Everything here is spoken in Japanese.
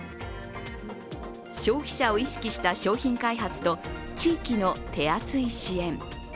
消費者を意識した商品開発と地域の手厚い支援。